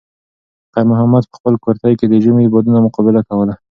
خیر محمد په خپل کورتۍ کې د ژمي د بادونو مقابله کوله.